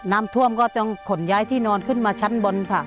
น้ำท่วมก็ต้องขนย้ายที่นอนขึ้นมาชั้นบนค่ะ